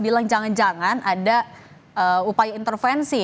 bilang jangan jangan ada upaya intervensi